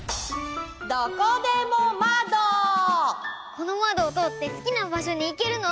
このまどをとおってすきなばしょにいけるの？